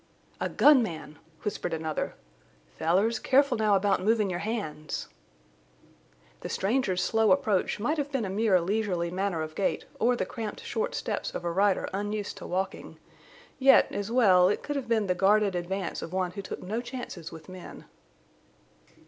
"A gun man!" whispered another. "Fellers, careful now about movin' your hands." The stranger's slow approach might have been a mere leisurely manner of gait or the cramped short steps of a rider unused to walking; yet, as well, it could have been the guarded advance of one who took no chances with men.